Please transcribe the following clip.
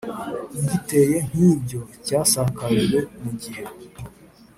giteye nk ibyo cyasakajwe mu gihe